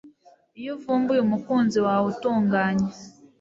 Iyo uvumbuye umukunzi wawe utunganye